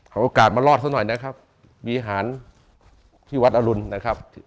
เอาโอกาสมารอดซะหน่อยนะครับวิหารที่วัดอรุณนะครับ